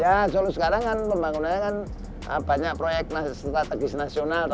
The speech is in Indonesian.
ya solo sekarang kan pembangunannya kan banyak proyek strategis nasional